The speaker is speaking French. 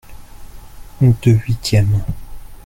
Deux huitièmes.